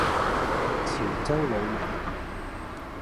潮州滷味